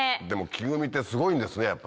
でも木組みってすごいんですね